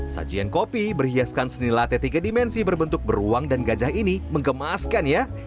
sajian kopi berhiaskan seni latte tiga dimensi berbentuk beruang dan gajah ini mengemaskan ya